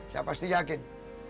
saya pasti yakin